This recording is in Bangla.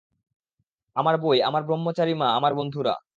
আমার বই, আমার ব্রহ্মচারী মা, আমার বন্ধুরা।